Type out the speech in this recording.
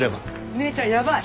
姉ちゃんヤバい！